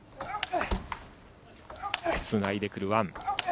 つないでくるワン。